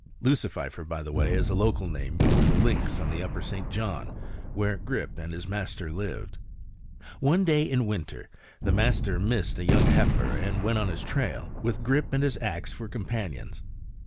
Lucififer, by the way, is a local name for the lynx on the upper St. John, where Grip and his master lived. One day in winter the master missed a young heifer and went on his trail, with Grip and his axe for companions.